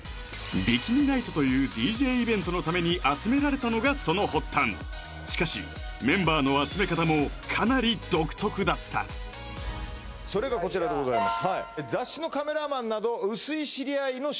ビキニナイトというＤＪイベントのために集められたのがその発端しかしメンバーの集め方もかなり独特だったそれがこちらでございます